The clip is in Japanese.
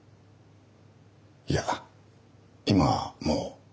いや今はもう。